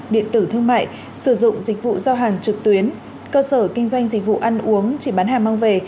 điện tử thương mại sử dụng dịch vụ giao hàng trực tuyến cơ sở kinh doanh dịch vụ ăn uống chỉ bán hàng mang về